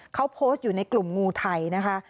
เขาโพสต์อยู่ในกลุ่มงูไทยนะคะ